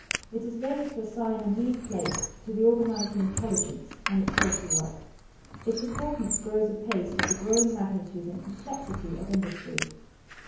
It is vain to assign a mean place to the organizing intelligence and its social work. Its importance grows apace with the growing magnitude and complexity of industry.